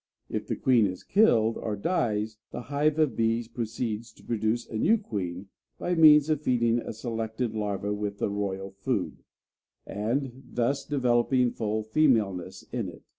If the queen is killed, or dies, the hive of bees proceeds to produce a new queen by means of feeding a selected larva with the "royal food" and thus developing full femaleness in it.